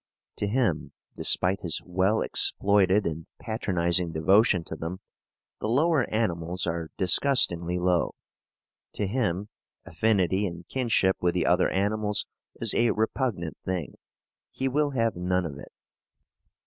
To him, despite his well exploited and patronizing devotion to them, the lower animals are disgustingly low. To him, affinity and kinship with the other animals is a repugnant thing. He will have none of it.